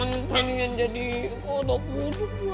jangan pengen jadi kodok buduk